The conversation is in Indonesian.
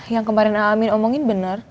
yang kemarin amin omongin benar